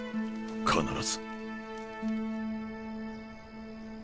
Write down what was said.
必ず。